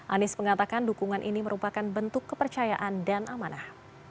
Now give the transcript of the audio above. anies mengatakan dukungan ini merupakan bentuk kepercayaan dan amanah